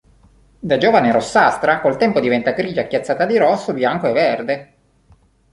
Da giovane è rossastra, col tempo diventa grigia chiazzata di rosso, bianco e verde.